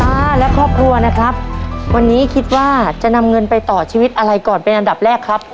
้าและครอบครัวนะครับวันนี้คิดว่าจะนำเงินไปต่อชีวิตอะไรก่อนเป็นอันดับแรกครับ